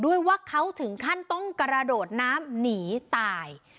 ด้วยว่าเขาถึงขั้นต้องกระโดดน้ำหนีตาย